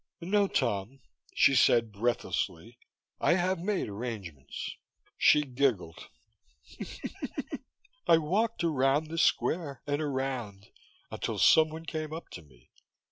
"No, Tom," she said breathlessly. "I I have made arrangements." She giggled. "I walked around the square and around, until someone came up to me.